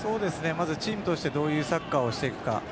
チームとしてどういうサッカーをしていくか。